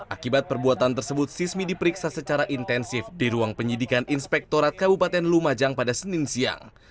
akibat perbuatan tersebut sismi diperiksa secara intensif di ruang penyidikan inspektorat kabupaten lumajang pada senin siang